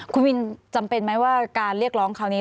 คุณวินจำเป็นไหมว่าการเรียกร้องคราวนี้